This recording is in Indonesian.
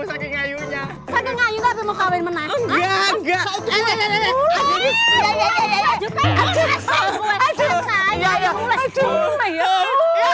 aku pusing nih pril mau pestahill